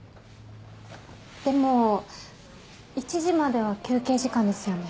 でも１時までは休憩時間ですよね？